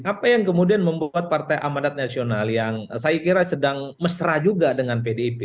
apa yang kemudian membuat partai amanat nasional yang saya kira sedang mesra juga dengan pdip